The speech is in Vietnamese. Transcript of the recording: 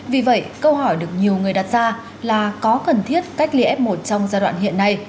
vì vậy câu hỏi được nhiều người đặt ra là có cần thiết cách ly f một trong giai đoạn hiện nay